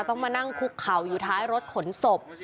ต้องมานั่งคุกเข่าอยู่ท้ายรถขนศพ